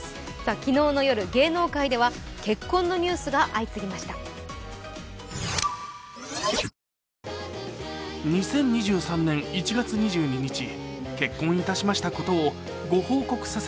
昨日の夜、芸能界では結婚のニュースが相次ぎました。